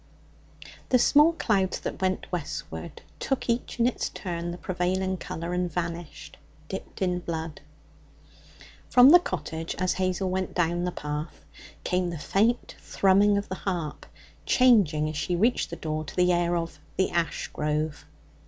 The small clouds that went westward took each in its turn the prevailing colour, and vanished, dipped in blood. From the cottage, as Hazel went down the path, came the faint thrumming of the harp, changing as she reached the door to the air of 'The Ash Grove.'